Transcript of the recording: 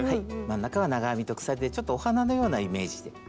真ん中は長編みと鎖でちょっとお花のようなイメージで。